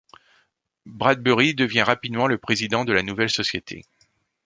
Bradbury devient rapidement le président de la nouvelle société.